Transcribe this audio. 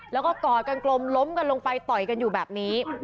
แล้วก็กอดกันกลมล้มกันลงไปต่อยกันอยู่แบบนี้